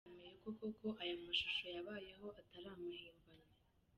Uyu mugore ariko yemeye ko koko aya mashusho yabayeho atari amahimbano.